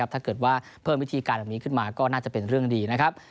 ถ้าเกิดว่าเพิ่มวิธีการแบบนี้ขึ้นมาก็น่าจะเป็นเรื่องดีนะครับ